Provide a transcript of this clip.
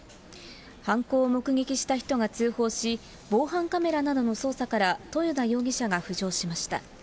犯行を目撃した人が通報し、防犯カメラなどの捜査から、豊田容疑者が浮上しました。